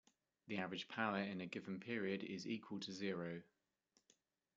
The average power in a given period is equal to zero.